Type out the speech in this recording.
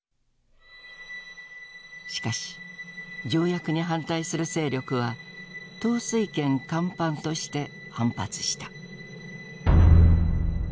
しかし条約に反対する勢力は「統帥権干犯」として反発した。